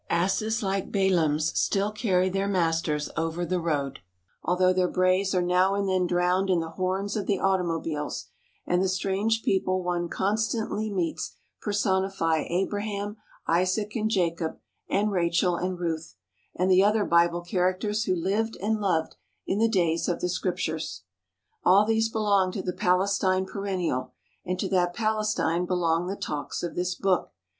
Asses like Balaam's still carry their masters over the road, although their brays are now and then drowned in the horns of the automobiles; and the strange people one con stantly meets personify Abraham, Isaac, and Jacob, and Rachel and Ruth, and the other Bible characters who lived and loved in the days of the Scriptures. All these belong to the Palestine perennial, and to that Palestine belong the talks of this book.